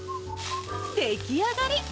出来上がり。